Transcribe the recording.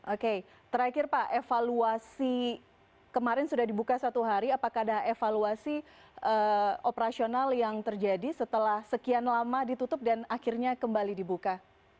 oke terakhir pak evaluasi kemarin sudah dibuka satu hari apakah ada evaluasi operasional yang terjadi setelah sekian lama ditutup dan akhirnya kembali dibuka